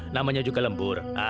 namanya juga lembur